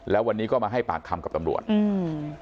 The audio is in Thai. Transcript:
แล้ววันนี้ก็มาให้ปากคำกับตำรวจอืม